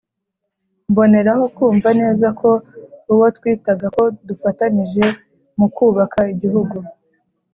mboneraho kumva neza ko uwo twitaga ko dufatanije mu kubaka igihugu